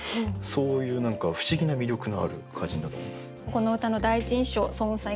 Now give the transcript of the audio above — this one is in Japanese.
この歌の第一印象双雲さん